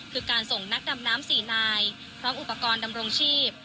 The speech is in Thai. คือการส่งนักดำน้ำ๔นายพร้อมอุปกรณ์ดำรงชีพ